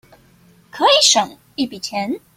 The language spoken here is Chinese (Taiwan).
可以省一筆錢